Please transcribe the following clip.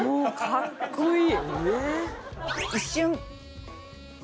かっこいい！